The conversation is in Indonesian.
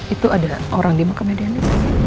itu ada orang di makam ya diany